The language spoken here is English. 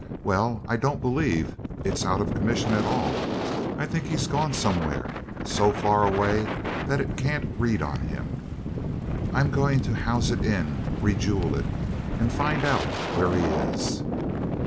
Well, I don't believe it's out of commission at all. I think he's gone somewhere, so far away that it can't read on him. I'm going to house it in, re jewel it, and find out where he is."